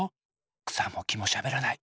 くさもきもしゃべらない。